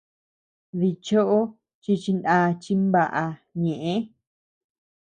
Dichoʼo chi chinaa chimbaʼa ñëʼe.